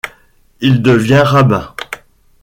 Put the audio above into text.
Il devient Rabbin.